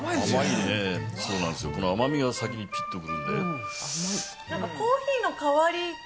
甘みが先にピッ！と来るんで。